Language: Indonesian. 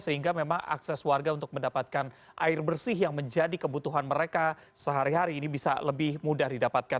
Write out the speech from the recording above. sehingga memang akses warga untuk mendapatkan air bersih yang menjadi kebutuhan mereka sehari hari ini bisa lebih mudah didapatkan